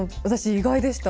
意外でした。